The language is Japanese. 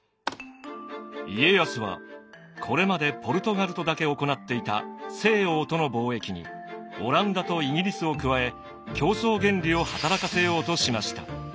家康はこれまでポルトガルとだけ行っていた西欧との貿易にオランダとイギリスを加え競争原理を働かせようとしました。